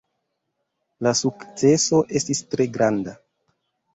La sukceso estis tre granda.